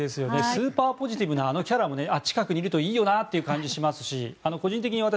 スーパーポジティブなキャラも近くにいるといいよなという感じがしますし